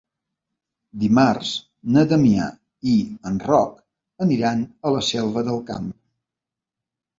Dimarts na Damià i en Roc aniran a la Selva del Camp.